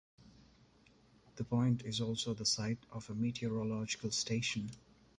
The point is also the site of a meteorological station.